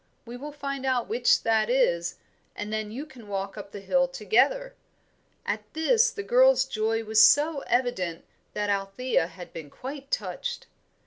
We will find out which that is, and then you can walk up the hill together." At this the girl's joy was so evident that Althea had been quite touched.